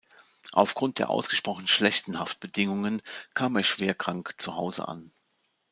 Aufgrund der ausgesprochen schlechten Haftbedingungen kam er schwer krank zuhause an.